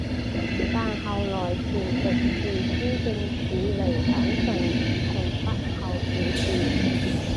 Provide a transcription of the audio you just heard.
但后来朝直自资正处离反臣从后北条氏。